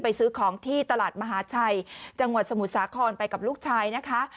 ซื้อของที่ตลาดมหาชัยจังหวัดสมุทรสาครไปกับลูกชายนะคะ